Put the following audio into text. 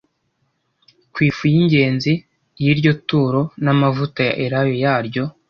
ku ifu y ingezi y iryo turo n amavuta ya elayo yaryo